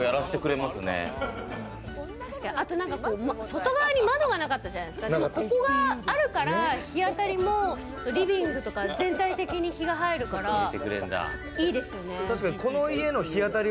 外側に窓がなかったじゃないですか、ここがあるから、日当たりもリビングとか全体的に日が入るからいいですよね。